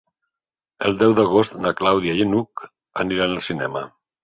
El deu d'agost na Clàudia i n'Hug aniran al cinema.